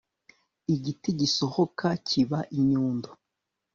Igiti gisohoka kiba inyundo